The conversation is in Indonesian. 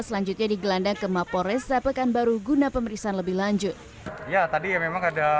selanjutnya digelandang ke mapolres rappekanbaru guna pemeriksaan lebih lanjut ya tadi memang ada